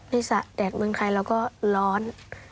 ในศาดแดกเมืองไทยแล้วก็ร้อน